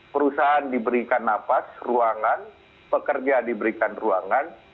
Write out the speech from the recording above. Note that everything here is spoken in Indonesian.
perusahaan diberikan nafas ruangan pekerja diberikan ruangan